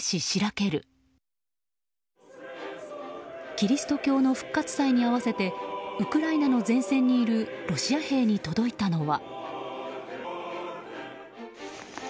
キリスト教の復活祭に合わせてウクライナの前線にいるロシア兵に届いたのは。